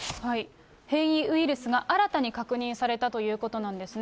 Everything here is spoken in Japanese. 変異ウイルスが新たに確認されたということなんですね。